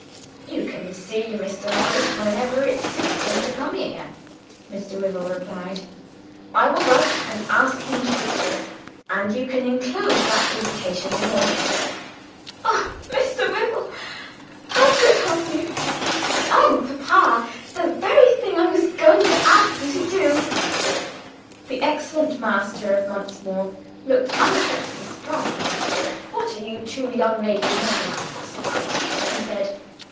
"You can see Mr. Morris whenever it suits him to come here," Mr. Wyvil replied. "I will write and ask him to visit us, and you can inclose the invitation in your letter." "Oh, Mr. Wyvil, how good of you!" "Oh, papa, the very thing I was going to ask you to do!" The excellent master of Monksmoor looked unaffectedly surprised. "What are you two young ladies making a fuss about?" he said.